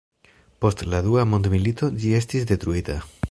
Post la dua mondmilito ĝi estis detruita.